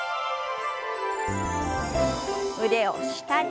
腕を下に。